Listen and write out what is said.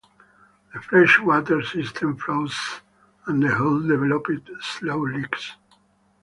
The fresh water system froze and the hull developed slow leaks.